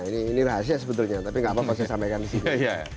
nah ini rahasia sebenarnya tapi gak apa apa saya sampaikan disini